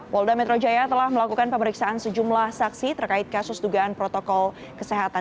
polda metro jaya telah melakukan pemeriksaan sejumlah saksi terkait kasus dugaan protokol kesehatan